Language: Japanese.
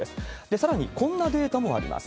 さらにこんなデータもあります。